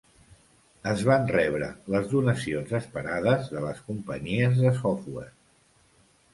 Es van rebre les donacions esperades de les companyies de software.